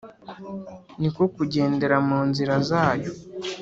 ni ko kugendera mu nzira zayo